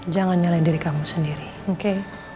jangan nyalai diri kamu sendiri oke